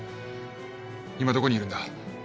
今どこにいるんだ！？